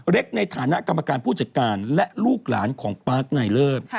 ในฐานะกรรมการผู้จัดการและลูกหลานของปาร์คนายเลิศ